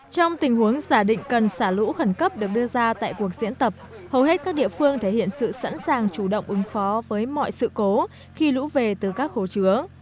trong tình huống giả định cần xả lũ khẩn cấp được đưa ra tại cuộc diễn tập hầu hết các địa phương thể hiện sự sẵn sàng chủ động ứng phó với mọi sự cố khi lũ về từ các hồ chứa